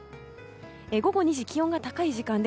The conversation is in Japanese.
午後２時、気温が高い時間